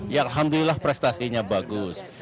ya alhamdulillah prestasinya bagus